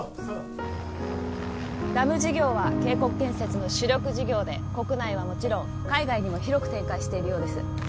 ああダム事業は京国建設の主力事業で国内はもちろん海外にも広く展開しているようです